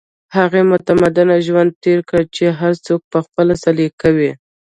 هغې متمدن ژوند تېر کړی چې هر څوک په خپله سليقه وي